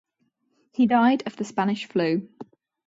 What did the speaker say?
He died of the Spanish flu.